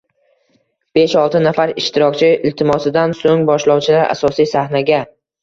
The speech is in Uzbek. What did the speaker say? besh-olti nafar ishtirokchi iltimosidan so‘ng boshlovchilar asosiy sahnaga